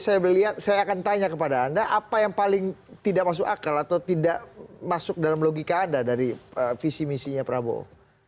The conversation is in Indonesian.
saya akan tanya kepada anda apa yang paling tidak masuk akal atau tidak masuk dalam logika anda dari visi misinya prabowo